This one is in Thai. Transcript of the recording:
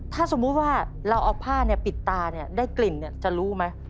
ถ้าสมมุติว่าเราเอาผ้าปิดตาได้กลิ่นจะรู้ไหม